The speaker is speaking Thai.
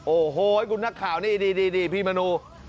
โอ้โหคุณนักข่าวนี่พี่มนู